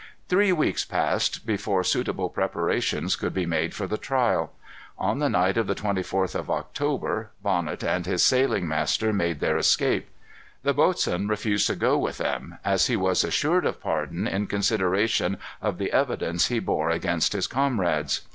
Three weeks passed before suitable preparations could be made for the trial. On the night of the 24th of October, Bonnet and his sailing master made their escape. The boatswain refused to go with them, as he was assured of pardon in consideration of the evidence he bore against his comrades.